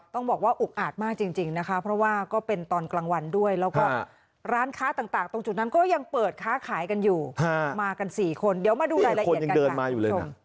ต้องบอกว่าอุกอาจมากจริงนะคะเพราะว่าก็เป็นตอนกลางวันด้วยแล้วก็ร้านค้าต่างตรงจุดนั้นก็ยังเปิดค้าขายกันอยู่มากัน๔คนเดี๋ยวมาดูรายละเอียดกันค่ะ